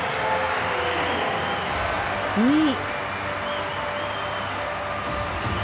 ２位。